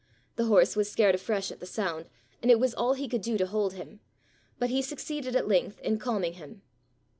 The horse was scared afresh at the sound, and it was all he could do to hold him, but he succeeded at length in calming him.